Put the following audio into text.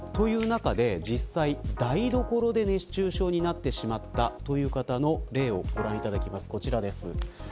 実際、台所で熱中症になってしまったという方の例をご覧いただきます。